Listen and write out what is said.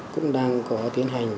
cũng đang có tiến hành